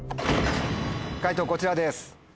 解答こちらです。